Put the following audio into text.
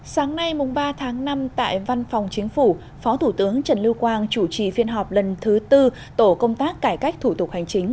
sáng nay ba tháng năm tại văn phòng chính phủ phó thủ tướng trần lưu quang chủ trì phiên họp lần thứ tư tổ công tác cải cách thủ tục hành chính